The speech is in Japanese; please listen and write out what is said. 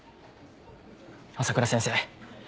朝倉先生